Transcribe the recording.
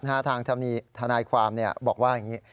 หน้าทางธนาความบอกว่าอย่างนี้